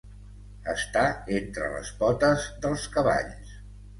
Estar entre les potes dels cavalls.